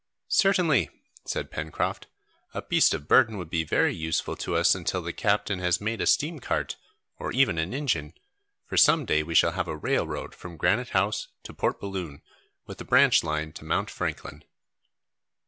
"Certainly," said Pencroft, "a beast of burden would be very useful to us until the captain has made a steam cart, or even an engine, for some day we shall have a railroad from Granite House to Port Balloon, with a branch line to Mount Franklin!"